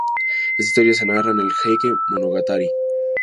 Esta historia se narra en el "Heike Monogatari".